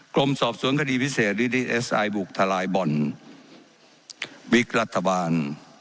กรมสอบสวนคดีพิเศษริดิถไอบุคทารายบ่อนวิกรัฐบาล